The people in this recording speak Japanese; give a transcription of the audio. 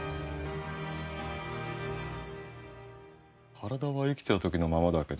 体は生きてる時のままだけど。